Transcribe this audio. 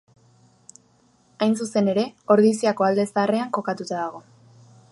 Hain zuzen ere, Ordiziako Alde Zaharrean kokatua dago.